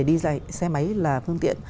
đi xe máy là phương tiện